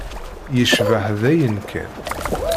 Yecbeḥ dayen kan.